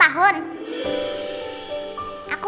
kan kak danu temen baik aku